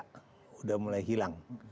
sudah mulai hilang